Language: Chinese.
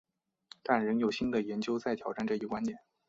但仍有新的研究在挑战这一观点。